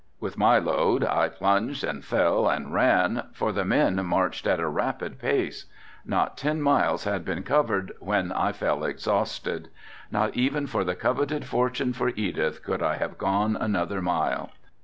With my load I plunged and fell and ran, for the men marched at a rapid pace. Not ten miles had been covered when I fell exhausted. Not even for the coveted fortune for Edith could I have gone another mile.